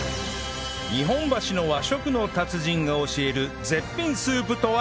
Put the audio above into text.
日本橋の和食の達人が教える絶品スープとは？